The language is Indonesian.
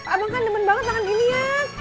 abang kan demen banget makan ginian